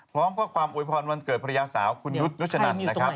พร้อมกับความอวยพรวนวันเกิดภรรยาสาวคุณยุทธ์นุชนันต์